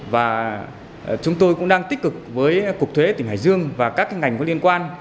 và chúng tôi cũng đang tích cực với cục thuế tỉnh hải dương và các ngành có liên quan